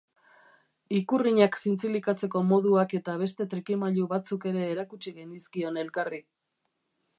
Ikurrinak zintzilikatzeko moduak eta beste trikimailu batzuk ere erakutsi genizkion elkarri.